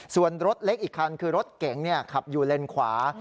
ส่วนรถเล็กอีกคันคือรถเก๋งขับอยู่เลนขวา